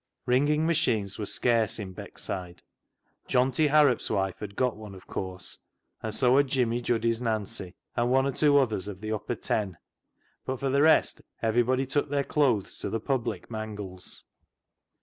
Wringing machines were scarce in Beckside. Johnty Harrop's wife had got one, of course, and so had Jimmy Juddy's Nancy, and one or two others of the upper ten, but for the rest everybody took their clothes to the public mangles.